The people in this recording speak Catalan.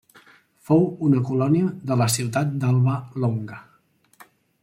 Fou una colònia de la ciutat d'Alba Longa.